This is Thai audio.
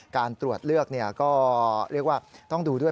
การตรวจเลือกก็เรียกว่าต้องดูด้วย